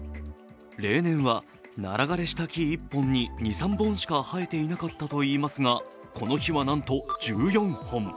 例年はナラ枯れした木１本に２３本しか生えていなかったといいますがこの日はなんと１４本。